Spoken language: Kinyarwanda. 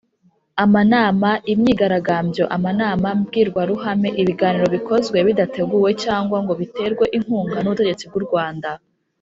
amanama, imyigaragambyo, amanama mbwirwaruhame, ibiganiro bikozwe bidateguwe cyangwa ngo biterwe inkunga n'ubutegetsi bw'u rwanda